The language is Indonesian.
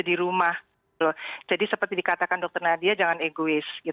di rumah jadi seperti dikatakan dr nadia jangan egois